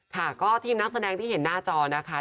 ค่ะก็ทีมนักแสดงที่เห็นหน้าจอนะคะ